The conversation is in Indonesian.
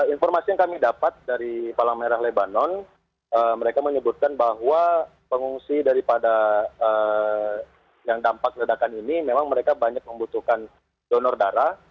informasi yang kami dapat dari palang merah lebanon mereka menyebutkan bahwa pengungsi daripada yang dampak ledakan ini memang mereka banyak membutuhkan donor darah